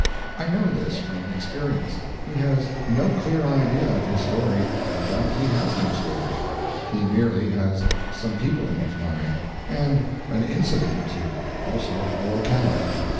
I know this from experience. He has no clear idea of his story; in fact he has no story. He merely has some people in his mind, and an incident or two, also a locality.